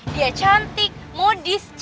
dia cantik modis cih